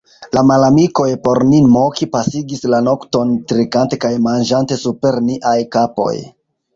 La malamikoj, por nin moki, pasigis la nokton trinkante kaj manĝante super niaj kapoj.